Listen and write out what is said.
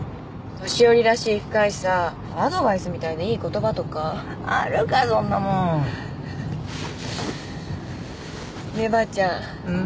年寄りらしい深いさアドバイスみたいないい言葉とかあるかそんなもんねえばあちゃんん？